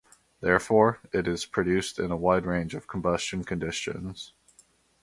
Therefore, it is produced in a wide range of combustion conditions.